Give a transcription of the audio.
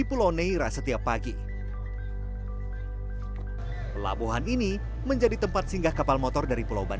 beli singkong langsung didatang dari pulau ais